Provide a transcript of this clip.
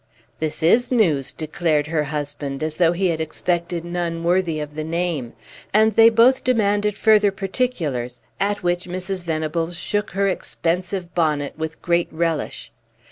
"This is news!" declared her husband, as though he had expected none worthy of the name. And they both demanded further particulars, at which Mrs. Venables shook her expensive bonnet with great relish.